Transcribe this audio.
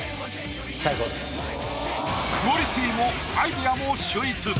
クオリティーもアイデアも秀逸。